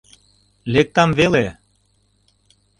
Лектам веле.